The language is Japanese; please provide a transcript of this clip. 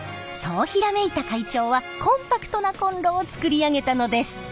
そうひらめいた会長はコンパクトなコンロを作り上げたのです。